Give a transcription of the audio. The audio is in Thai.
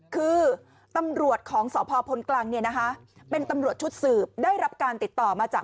คือตำรวจของสพพลกรังเนี่ยนะคะเป็นตำรวจชุดสืบได้รับการติดต่อมาจาก